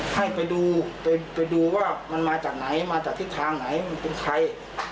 ให้ไปดูไปดูว่ามันมาจากไหนมาจากทิศทางไหนมันเป็นใคร